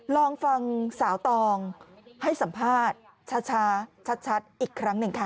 ลองฟังสาวตองให้สัมภาษณ์ช้าชัดอีกครั้งหนึ่งค่ะ